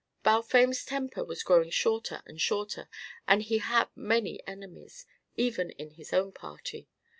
Balfame's temper was growing shorter and shorter, and he had many enemies, even in his own party.